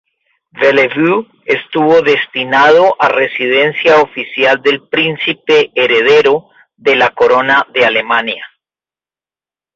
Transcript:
Bellevue estuvo destinado a residencia oficial del Príncipe heredero de la Corona de Alemania.